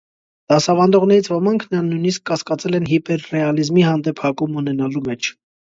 Դասավանդողներից ոմանք նրան նույնիսկ կասկածել են հիպերռեալիզմի հանդեպ հակում ունենալու մեջ։